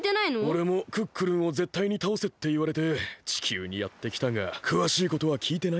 おれもクックルンをぜったいにたおせっていわれて地球にやってきたがくわしいことはきいてないんだ。